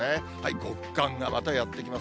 極寒がまたやって来ます。